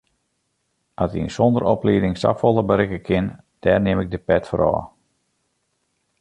At ien sonder oplieding safolle berikke kin, dêr nim ik de pet foar ôf.